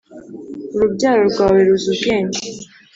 Urubyaro rwawe ruzi ubwenge .